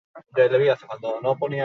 Negarrez, eskerrak eman dizkie gurasoei.